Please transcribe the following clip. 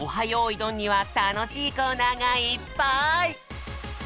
よいどん」にはたのしいコーナーがいっぱい！